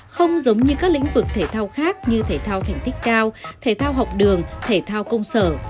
không giống như các lĩnh vực thể thao khác như thể thao thành tích cao thể thao học đường thể thao công sở